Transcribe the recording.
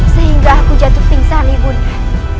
sehingga aku jatuh pingsan ibunya